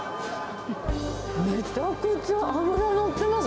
めちゃくちゃ脂のってます。